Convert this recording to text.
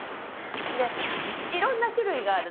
いろんな種類がある。